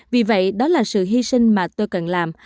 vì vậy đó là sự hy sinh mà tôi cần làm